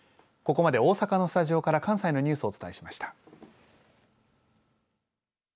ここまで大阪のスタジオから関西のニュースお伝えしました。